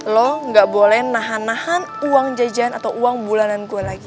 lo gak boleh nahan nahan uang jajan atau uang bulanan gue lagi